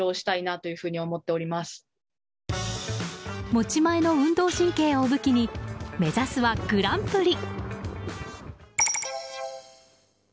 持ち前の運動神経を武器に目指すはグランプリ！